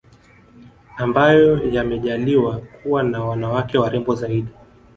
ambayo yamejaaliwa kuwa na wanawake warembo zaidi